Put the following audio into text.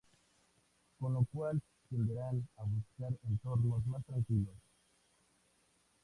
Con lo cual tenderán a buscar entornos más tranquilos.